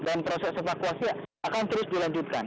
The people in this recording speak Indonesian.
dan proses evakuasi akan terus dilanjutkan